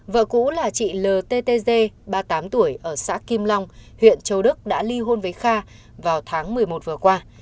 vợ cũ là chị ltg ba mươi tám tuổi ở xã kim long huyện châu đức đã ly hôn với kha vào tháng một mươi một vừa qua